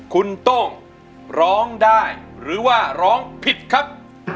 คุณโต้งร้องได้หรือว่าร้องผิดครับ